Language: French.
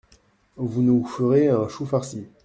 Vous nous ferez un chou farci.